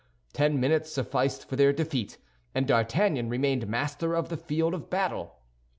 Ten minutes sufficed for their defeat, and D'Artagnan remained master of the field of battle.